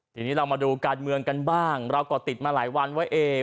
ทีนี้เรามาดูการเมืองกันบ้างเราก็ติดมาหลายวันไว้เอง